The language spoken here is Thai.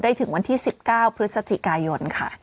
ถึงวันที่๑๙พฤศจิกายนค่ะ